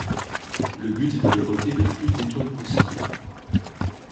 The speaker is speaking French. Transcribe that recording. Le but est de récolter le plus d'étoiles possible.